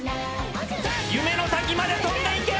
夢の先まで飛んでいけ！